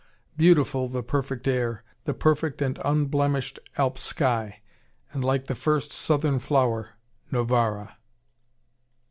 Beautiful the perfect air, the perfect and unblemished Alp sky. And like the first southern flower, Novara.